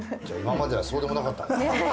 じゃあ今まではそうでもなかったのか。